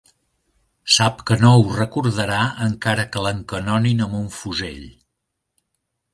Sap que no ho recordarà, encara que l'encanonin amb un fusell.